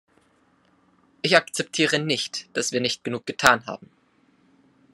Ich akzeptiere nicht, dass wir nicht genug getan haben.